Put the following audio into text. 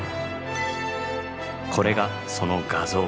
これがその画像。